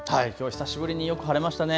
久しぶりによく晴れましたね。